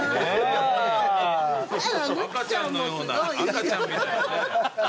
赤ちゃんのような赤ちゃんみたいでね。